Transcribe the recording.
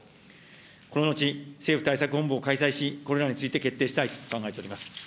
この後、政府対策本部を開催し、これらについて決定したいと考えております。